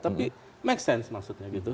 tapi make sense maksudnya gitu